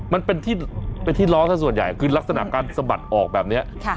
มันเป็นที่ร้องซะส่วนใหญ่คือลักษณะการสะบัดออกแบบนี้